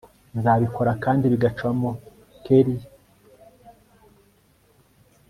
nzabikora kandi bigacamo kellia